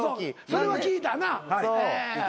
それは聞いたなっ？